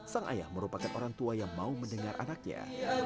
sang ayah merupakan orang tua yang mau mendengar anaknya